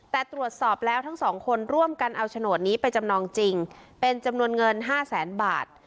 แต่ตรวจสอบแล้วทั้งสองคนร่วมกันเอาโฉนดนี้ไปจำนองจริงเป็นจำนวนเงิน๕แสนบาท